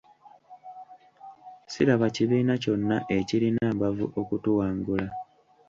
Siraba kibiina kyonna ekirina mbavu okutuwangula.